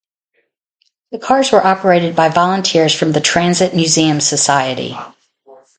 The cars were operated by volunteers from the Transit Museum Society.